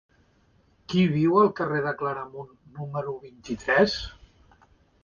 Qui viu al carrer de Claramunt número vint-i-tres?